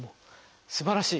すばらしい。